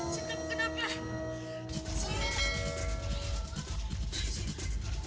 sin kamu kenapa